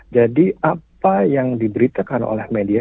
jadi apa yang diberitakan oleh media